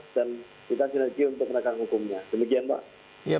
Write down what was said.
kita sinergi untuk menekan hukumnya demikian pak